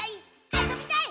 あそびたい！」